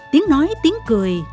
tiếng nói tiếng cười